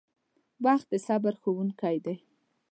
• وخت د صبر ښوونکی دی.